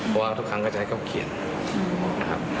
เพราะว่าทุกครั้งก็จะให้เขาเขียนหมดนะครับ